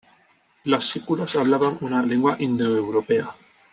Los sículos hablaban una lengua indoeuropea.